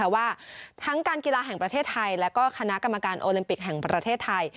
ว่าทั้งการกีฬาแห่งประเทศไทยและก็คณะกรรมการโอลิมปิกแห่งประเทศไทย